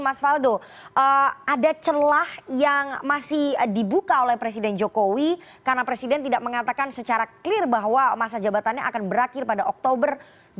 mas faldo ada celah yang masih dibuka oleh presiden jokowi karena presiden tidak mengatakan secara clear bahwa masa jabatannya akan berakhir pada oktober dua ribu dua puluh